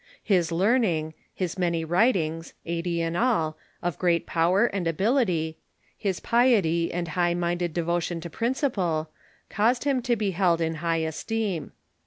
His learning, his many Avrit ings (eighty in all) of great jiovver and ability, his piety and high minded devotion to principle, caused him to be held in high esteem.